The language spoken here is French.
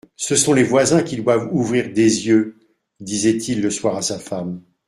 Ce sont les voisins qui doivent ouvrir des yeux ! disait-il le soir à sa femme.